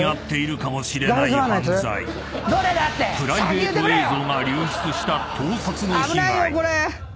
［プライベート映像が流出した盗撮の被害］